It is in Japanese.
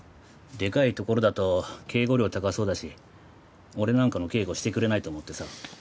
でかいところだと警護料高そうだし俺なんかの警護してくれないと思ってさ。